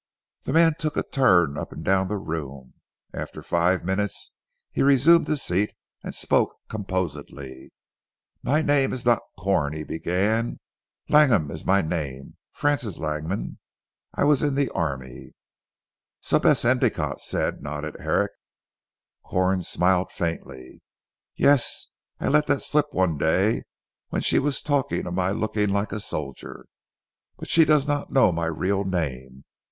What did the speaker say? The man took a turn up and down the room. After five minutes he resumed his seat and spoke composedly. "My name is not Corn," he began, "Langham is my name Francis Langham. I was in the army." "So Bess Endicotte said," nodded Herrick. Corn smiled faintly. "Yes! I let that slip one day, when she was talking of my looking like a soldier. But she does not know my real name.